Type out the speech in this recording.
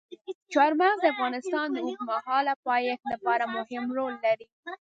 چار مغز د افغانستان د اوږدمهاله پایښت لپاره مهم رول لري.